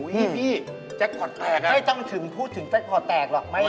ไม่ต้องพูดถึงแจ็คพอร์ตแตกหรอก